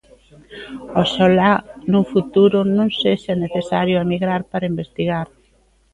Oxalá nun futuro non sexa necesario emigrar para investigar.